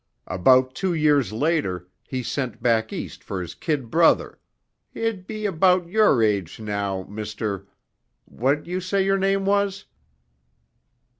About two years later he sent back East for his kid brother he'd be about your age now, Mr. what you say your name was?